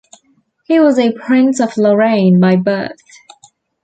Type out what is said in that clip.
He was a prince of Lorraine by birth.